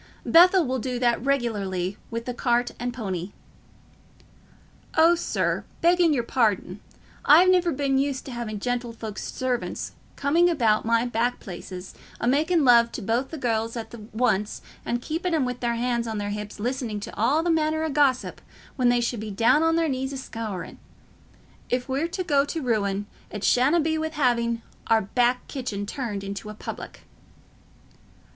"Bethell will do that regularly with the cart and pony." "Oh, sir, begging your pardon, I've never been used t' having gentlefolks's servants coming about my back places, a making love to both the gells at once and keeping 'em with their hands on their hips listening to all manner o' gossip when they should be down on their knees a scouring. If we're to go to ruin, it shanna be wi' having our back kitchen turned into a public."